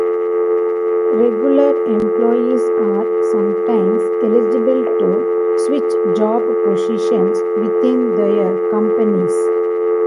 Regular employees are sometimes eligible to switch job positions within their companies.